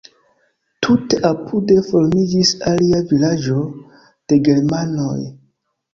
Tute apude formiĝis alia vilaĝo de germanoj.